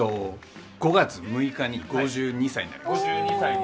５月６日に５２歳になりました。